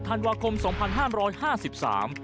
ธันวาคมสองพันห้ามร้อยห้าสิบสาม